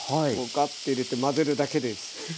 ガッと入れて混ぜるだけです。